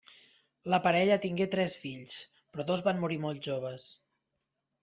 La parella tingué tres fills, però dos van morir molt joves.